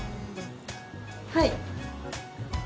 はい。